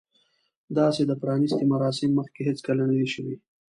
داسې د پرانیستې مراسم مخکې هیڅکله نه دي شوي.